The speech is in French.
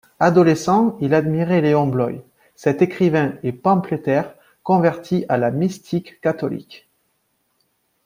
Adolescent, il admirait Léon Bloy, cet écrivain et pamphlétaire converti à la mystique catholique.